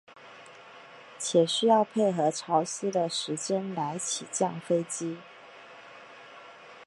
且需要配合潮汐的时间来起降飞机。